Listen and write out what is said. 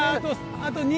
あと２！